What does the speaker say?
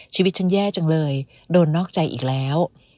ชีวิตฉันแย่จังเลยโดนนอกใจอีกแล้ว